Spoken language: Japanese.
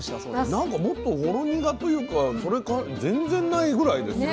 なんかもっとほろ苦というかそれ全然ないぐらいですよ。